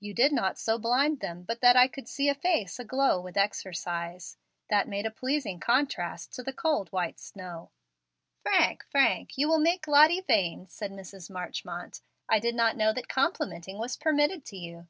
"You did not so blind them but that I could see a face aglow with exercise. That made a pleasing contrast to the cold white snow." "Frank, Frank, you will make Lottie vain," said Mrs. Marchmont. "I did not know that complimenting was permitted to you."